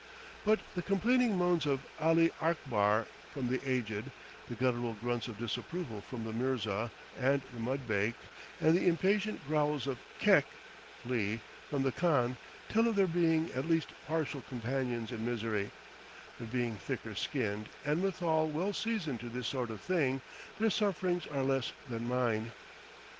But the complaining moans of "Ali Akbar" from "The Aged," the guttural grunts of disapproval from the mirza and the mudbake, and the impatient growls of "kek" (flea) from the khan, tell of their being at least partial companions in misery; but, being thicker skinned, and withal well seasoned to this sort of thing, their sufferings are less than mine.